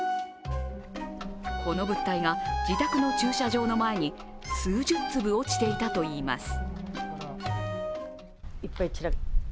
この物体が自宅の駐車場の前に数十粒落ちていたといいます。